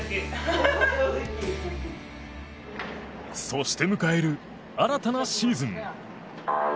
そして迎える新たなシーズン。